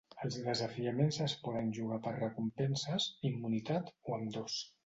Els desafiaments es poden jugar per recompenses, immunitat, o ambdós.